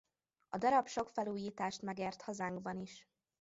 A darab sok felújítást megért hazánkban is.